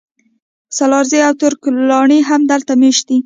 سالارزي او ترک لاڼي هم دلته مېشت دي